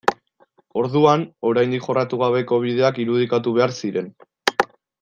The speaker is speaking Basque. Orduan, oraindik jorratu gabeko bideak irudikatu behar ziren.